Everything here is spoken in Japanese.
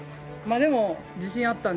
でも自信あったので。